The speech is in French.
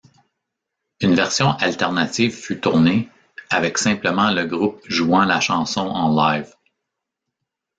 Une version alternative fut tournée, avec simplement le groupe jouant la chanson en live.